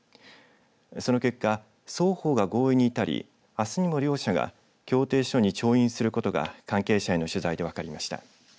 その結果、双方が合意に至りあすにも両者が協定書に調印することが関係者への取材で分かりました。